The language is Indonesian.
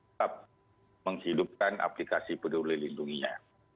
tetap menghidupkan aplikasi peduli lindunginya